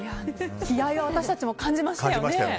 気合は私たちも感じられましたよね。